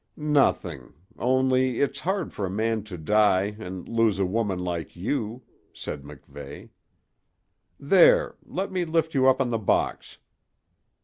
"Nothing only it's hard for a man to die and lose a woman like you," said MacVeigh. "There let me lift you up on the box."